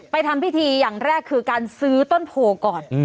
ทำพิธีอย่างแรกคือการซื้อต้นโพก่อน